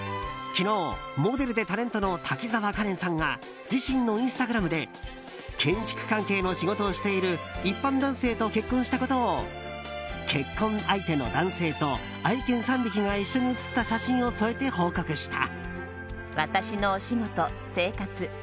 昨日、モデルでタレントの滝沢カレンさんが自身のインスタグラムで建築関係の仕事をしている一般男性と結婚したことを結婚相手の男性と愛犬３匹が一緒に写った写真を添えて報告した。